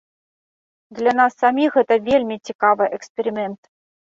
Для нас саміх гэта вельмі цікавы эксперымент.